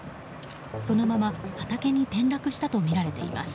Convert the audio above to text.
そのまま畑に転落したとみられています。